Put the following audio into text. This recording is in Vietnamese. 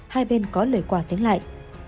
hai bên có lời quả tiếng lại